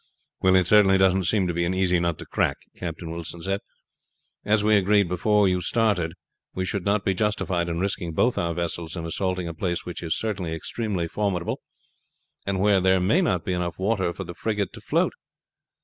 "Well, it certainly doesn't seem to be an easy nut to crack," Captain Wilson said. "As we agreed before you started, we should not be justified in risking both our vessels in assaulting a place which is certainly extremely formidable, and where there may not be water enough for the frigate to float.